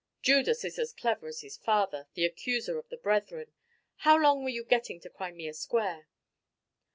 "Judas is as clever as his father, the Accuser of the Brethren. How long were you getting to Crimea Square?"